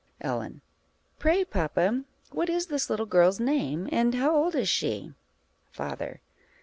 Ellen. Pray, papa, what is this little girl's name, and how old is she? _Father.